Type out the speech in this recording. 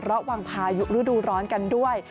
ระวังพายุฤดูร้อนกันด้วย